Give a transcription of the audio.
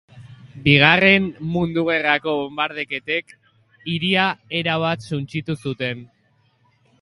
Bigarren Mundu Gerrako bonbardaketek hiria erabat suntsitu zuten.